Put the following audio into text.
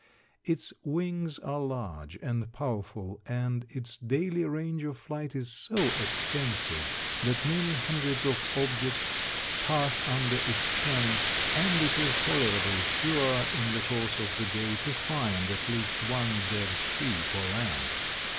Its wings are large and powerful, and its daily range of flight is so extensive that many hundreds of objects pass under its ken, and it is tolerably sure, in the course of the day, to find at least one dead sheep or lamb.